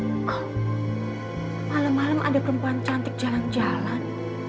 malam malam ada perempuan cantik jalan jalan